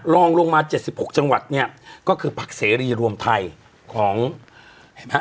ลองลงมา๗๖จังหวัดเนี่ยก็คือพักเสรีรวมไทยของเห็นไหมฮะ